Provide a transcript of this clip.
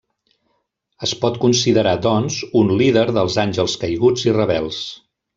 Es pot considerar, doncs, un líder dels àngels caiguts i rebels.